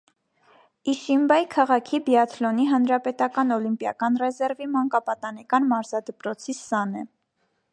Իշիմբայ քաղաքի բիաթլոնի հանրապետական օլիմպիական ռեզերվի մանկապատանեկան մարզադպրոցի սան է։